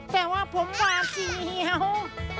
แต่ว่าผมหวาดเสียว